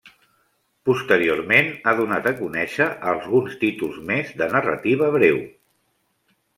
Posteriorment ha donat a conéixer alguns títols més de narrativa breu.